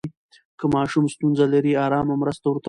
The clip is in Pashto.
که ماشوم ستونزه لري، آرامه مرسته ورته وکړئ.